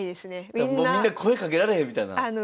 もうみんな声かけられへんみたいな？